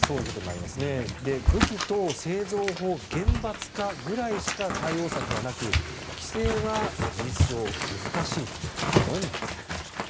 武器等製造法厳罰化ぐらいしか対応策がなく規制は事実上、難しいと話されていました。